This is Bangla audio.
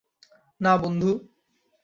না, বন্ধু।